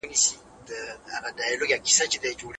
د قدرت سرچينه له ولس سره ده نه له واکمنانو سره.